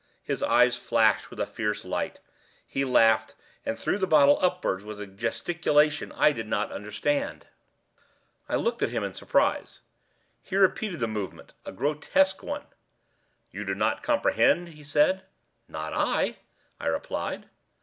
His eyes flashed with a fierce light. He laughed and threw the bottle upwards with a gesticulation I did not understand. I looked at him in surprise. He repeated the movement—a grotesque one. "You do not comprehend?" he said. "Not I," I replied.